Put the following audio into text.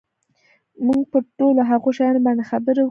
موږ پر ټولو هغو شیانو باندي خبري وکړې.